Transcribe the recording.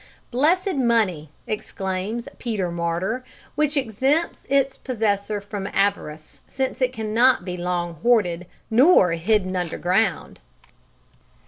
"Blessed money," exclaims Peter Martyr, "which exempts its possessor from avarice, since it cannot be long hoarded, nor hidden underground!"